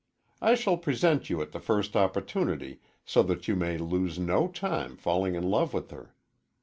I shall present you at the first opportunity so that you may lose no time falling in love with her.